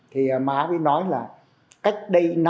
thì má mới nói là cách đây năm